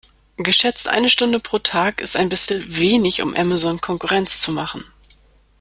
Geschätzte eine Stunde pro Tag ist ein bissl wenig, um Amazon Konkurrenz zu machen.